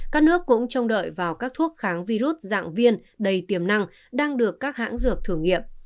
các nước cũng trông đợi vào các thuốc kháng virus dạng viên đầy tiềm năng đang được các hãng dược thử nghiệm